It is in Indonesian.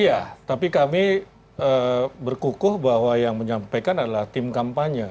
iya tapi kami berkukuh bahwa yang menyampaikan adalah tim kampanye